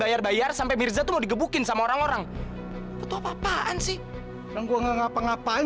bayar bayar sampai mirza tuh digebukin sama orang orang betul apaan sih neng gua ngapa ngapain